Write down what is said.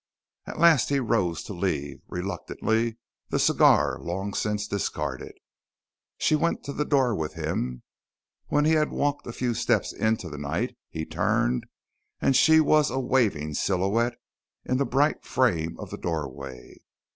At last he rose to leave, reluctantly, the cigar long since discarded. She went to the door with him. When he had walked a few steps into the night, he turned, and she was a waving silhouette in the bright frame of the doorway.